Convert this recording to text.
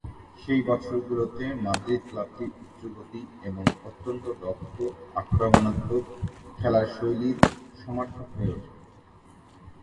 সেই বছরগুলোতে, মাদ্রিদ ক্লাবটি উচ্চ-গতি এবং অত্যন্ত দক্ষ, আক্রমণাত্মক খেলার শৈলীর সমার্থক হয়ে ওঠে।